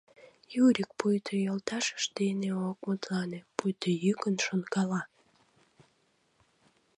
— Юрик пуйто йолташыж дене ок мутлане, пуйто йӱкын шонкала.